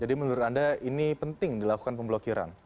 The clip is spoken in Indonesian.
jadi menurut anda ini penting dilakukan pemblokiran